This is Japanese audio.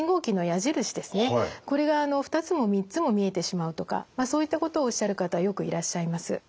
これが２つも３つも見えてしまうとかそういったことをおっしゃる方よくいらっしゃいます。